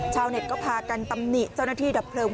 ชาวเน็ตก็พากันตำหนิเจ้าหน้าที่ดับเพลิง